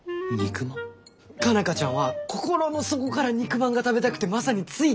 佳奈花ちゃんは心の底から肉まんが食べたくてマサについてきたんだよ。